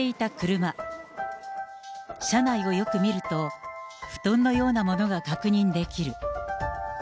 車内をよく見ると、布団のようなものが確認できる。